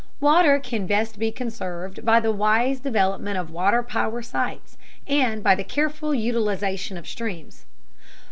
Water can best be conserved by the wise development of water power sites, and by the careful utilization of streams.